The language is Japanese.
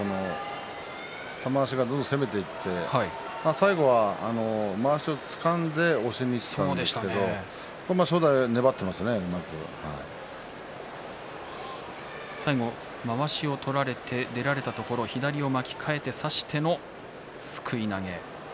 玉鷲がどんどん攻めていって、最後はまわしをつかんで押しにいったんですがまわしを取られて出られたところ左を巻き替えて差してのすくい投げ。